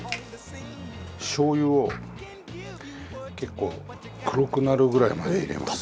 しょう油を結構黒くなるぐらいまで入れます。